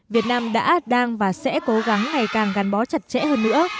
việt nam đã đang và sẽ cố gắng ngày càng gắn bó chặt chẽ hơn nữa